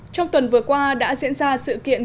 trong tuần vừa qua đã diễn ra sự kiện